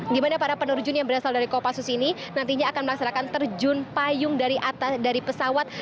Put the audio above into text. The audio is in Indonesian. di mana para penerjun yang berasal dari kopassus ini nantinya akan melaksanakan terjun payung dari pesawat